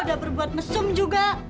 udah berbuat mesum juga